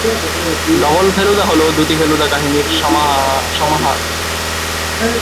Double Feluda হল দুটি ফেলুদা কাহিনীর সমাহার।